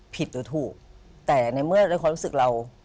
ผิดหรือถูกแต่ในเมื่อเราก็ควรรู้สึกเรา